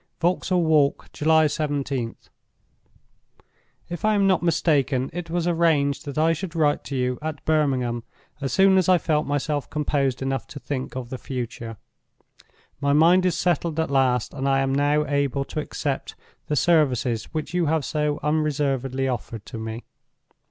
"Vauxhall Walk, July 17th. "If I am not mistaken, it was arranged that I should write to you at Birmingham as soon as I felt myself composed enough to think of the future. My mind is settled at last, and I am now able to accept the services which you have so unreservedly offered to me.